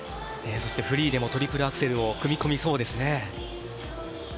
そして、フリーでもトリプルアクセルを組み込みそうです。